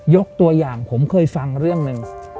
ยกตัวอย่างผมเคยฟังเรื่องหนึ่ง